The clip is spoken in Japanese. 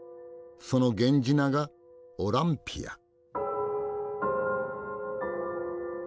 その源氏名がオランピア。